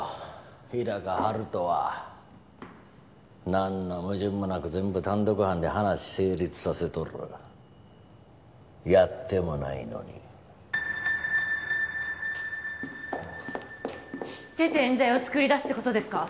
日高陽斗は何の矛盾もなく全部単独犯で話成立させとるやってもないのに知ってて冤罪をつくり出すってことですか！？